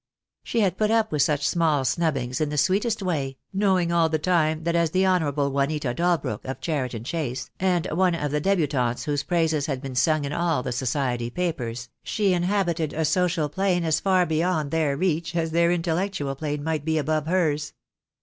She had put up with such small snubbings in the sweetest way, knowing all the time that as the Honourable Juanita Dalbrook, of Cheriton Chase, and one of the debutantes whose praises had been sung in all the society papers, she inhabited a social plane as far beyond their reach as their intellectual plane might be above hers.